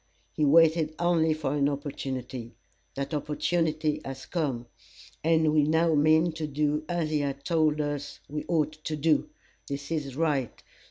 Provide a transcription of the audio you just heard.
He waited only for an opportunity. That opportunity has come, and we now mean to do as he has told us we ought to do. This is right.